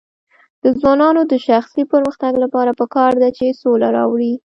د ځوانانو د شخصي پرمختګ لپاره پکار ده چې سوله راوړي.